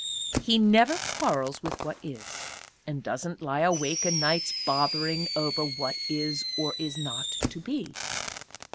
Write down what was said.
He never quarrels with what is, and doesn't lie awake o' nights bothering over what is or is not to be.